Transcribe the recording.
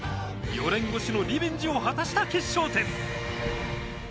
４年越しのリベンジを果たした決勝点！